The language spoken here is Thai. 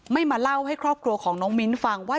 มาเล่าให้ครอบครัวของน้องมิ้นฟังว่า